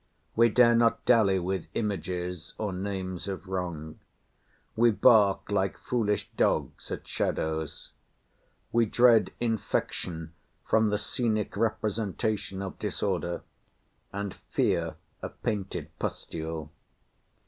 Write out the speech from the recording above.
We dare not dally with images, or names, of wrong. We bark like foolish dogs at shadows. We dread infection from the scenic representation of disorder; and fear a painted pustule.